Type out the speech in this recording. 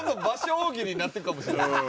大喜利になっていくかもしれん。